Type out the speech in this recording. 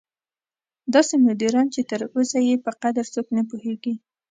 داسې مدیران چې تر اوسه یې په قدر څوک نه پوهېږي.